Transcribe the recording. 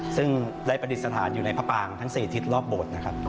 ซึ่งได้ประดิษฐานอยู่ในพระปางทั้ง๔ทิศรอบโบสถ์นะครับ